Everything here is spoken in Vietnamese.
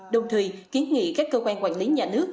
đồng thời kiến nghị các cơ quan quản lý nhà nước